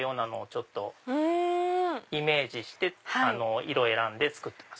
ちょっとイメージして色を選んで作ってます。